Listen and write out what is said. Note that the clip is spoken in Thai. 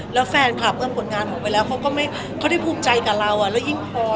แล้วแฟนคลับเอื้อมผลงานหนูไปแล้วเขาก็ได้ภูมิใจกับเราแล้วยิ่งพอ